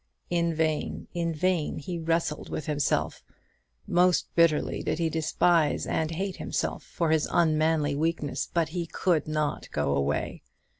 In vain, in vain he wrestled with himself: most bitterly did he despise and hate himself for his unmanly weakness; but he could not go away.